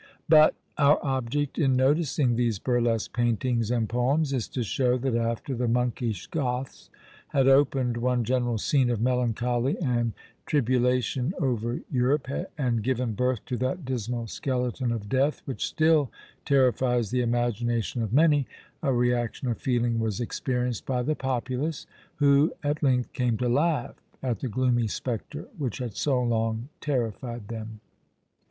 But our object in noticing these burlesque paintings and poems is to show that after the monkish Goths had opened one general scene of melancholy and tribulation over Europe, and given birth to that dismal skeleton of death, which still terrifies the imagination of many, a reaction of feeling was experienced by the populace, who at length came to laugh at the gloomy spectre which had so long terrified them!